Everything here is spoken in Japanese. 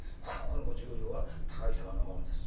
この５０両は高木様のもんです」。